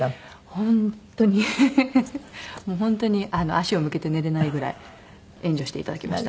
本当にもう本当に足を向けて寝られないぐらい援助していただきました。